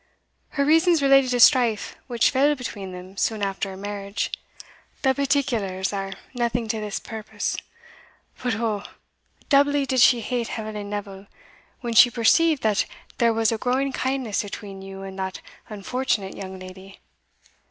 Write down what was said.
Her reasons related to strife which fell between them soon after her marriage; the particulars are naething to this purpose. But oh! doubly did she hate Eveline Neville when she perceived that there was a growing kindness atween you and that unfortunate young leddy!